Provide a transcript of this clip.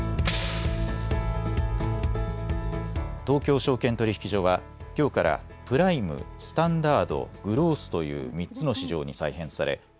東京証券取引所はきょうからプライム、スタンダード、グロースという３つの市場に再編され